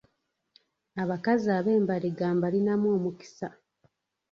Abakazi ab’embaliga mbalinamu omukisa.